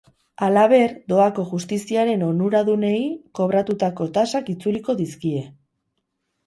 Halaber, doako justiziaren onuradunei kobratutako tasak itzuliko dizkie.